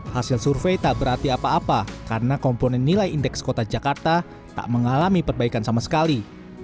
hasil survei tak berarti apa apa karena komponen nilai indeks kota jakarta tak mengalami perbaikan sama sekali